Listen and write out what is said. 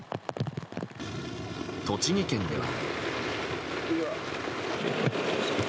栃木県では。